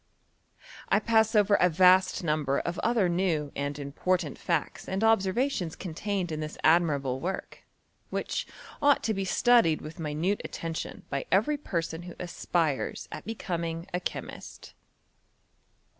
I pass over a vast number of other new and im portant facts and observations contained in this ad mirable work, which ought to be studied with mi nute attention by every person who aspires at be coming a chemist.